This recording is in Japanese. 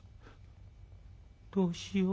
どうしよう。